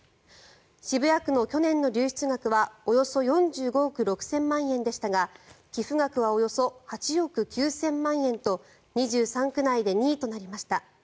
渋谷区の去年の流出額はおよそ４５億６０００万円でしたが寄付額はおよそ８億９０００万円と２３区内で２位となりました。